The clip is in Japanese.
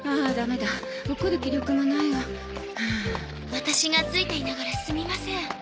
ワタシがついていながらすみません。